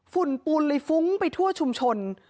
ฝุ่นปูนเลยฟุ้งไปทั่วชุมชน